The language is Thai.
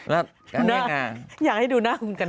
แล้วก็แม่งานอยากให้ดูหน้าคุณกัน